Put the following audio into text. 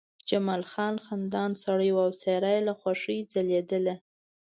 جمال خان خندان سړی و او څېره یې له خوښۍ ځلېدله